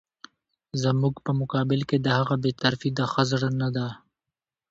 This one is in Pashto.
زموږ په مقابل کې د هغه بې طرفي د ښه زړه نه ده.